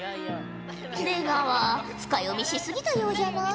出川深読みし過ぎたようじゃな。